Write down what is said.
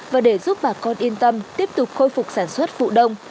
và để giúp bà con yên tâm tiếp tục khôi phục sản xuất vụ đông